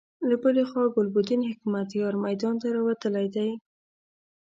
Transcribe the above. له بلې خوا ګلبدين حکمتیار میدان ته راوتلی دی.